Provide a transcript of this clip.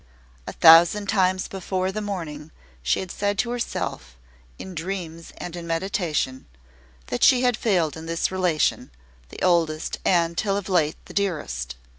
A thousand times before the morning she had said to herself, in dreams and in meditation, that she had failed in this relation the oldest, and, till of late, the dearest.